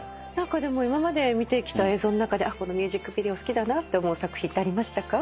でも今まで見てきた映像の中でこのミュージックビデオ好きだなって思う作品ってありましたか？